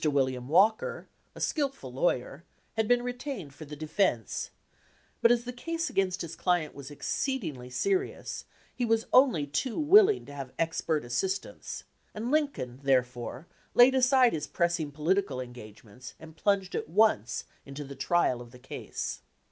William Walker, a skilful lawyer, had been retained for the defense, but as the case against his client was exceedingly serious, he was only too willing to have expert assistance, and Lincoln therefore laid aside his pressing political engagements and plunged at once into the trial of the case.